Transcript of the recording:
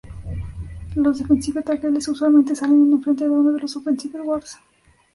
Los "defensive tackles" usualmente se alinean enfrente de uno de los dos "offensive guards".